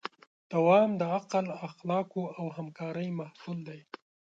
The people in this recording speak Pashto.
دوام د عقل، اخلاقو او همکارۍ محصول دی.